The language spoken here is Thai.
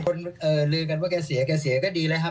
คนเริ่มกันว่าแกเสียก็เสียก็ดีเลยครับ